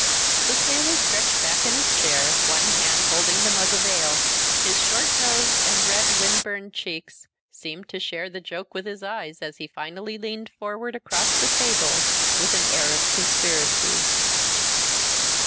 The sailor stretched back in his chair, one hand holding the mug of ale. His short nose and red, wind burned cheeks seemed to share the joke with his eyes as he finally leaned forward across the table with an air of conspiracy.